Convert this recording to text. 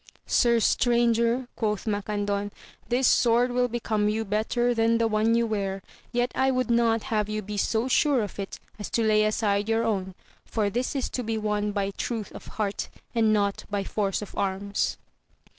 Sir stranger, quoth Macandon, this sword will become you better than the one you wear, yet I would not have you be so sure of it as to lay aside your own, for this is to be won by truth of heart, and not by force of arms.